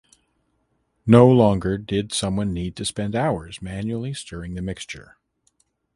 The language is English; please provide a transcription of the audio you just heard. No longer did someone need to spend hours manually stirring the mixture.